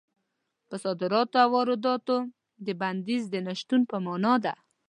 په صادراتو او وارداتو د بندیز د نه شتون په مانا ده.